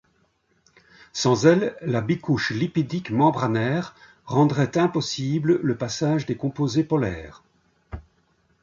Sans elle, la bicouche lipidique membranaire rendrait impossible le passage des composés polaires.